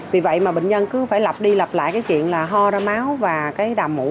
vì vậy mà bệnh nhân cứ phải lập đi lập lại cái chuyện là ho ra máu và cái đàm mũ